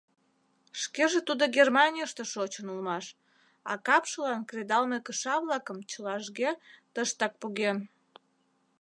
Шкеже тудо Германийыште шочын улмаш, а капшылан кредалме кыша-влакым чылажге тыштак поген.